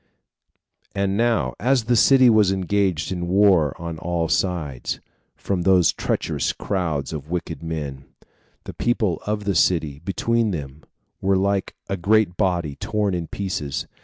5. And now, as the city was engaged in a war on all sides, from these treacherous crowds of wicked men, the people of the city, between them, were like a great body torn in pieces.